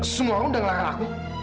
semua orang sudah mengelakkan aku